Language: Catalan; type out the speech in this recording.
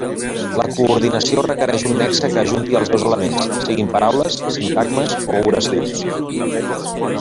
La coordinació requereix un nexe que ajunti els dos elements, siguin paraules, sintagmes o oracions.